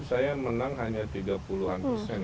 saya menang hanya tiga puluh an persen